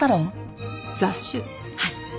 はい。